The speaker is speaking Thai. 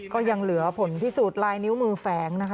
ก็ยังเหลือผลที่สูตรลายนิ้วมือแฝง